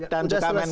dan juga menkom hm